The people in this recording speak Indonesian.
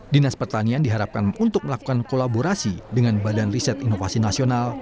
dinas pertanian diharapkan untuk melakukan kolaborasi dengan badan riset inovasi nasional